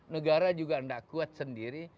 negara juga tidak kuat sendiri